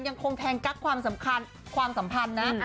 ยังคงแทงกั๊กความสำคัญความสัมพันธ์นะ